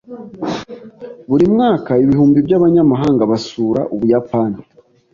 Buri mwaka ibihumbi by'abanyamahanga basura Ubuyapani.